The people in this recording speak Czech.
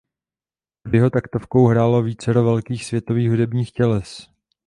Pod jeho taktovkou hrálo vícero velkých světových hudebních těles.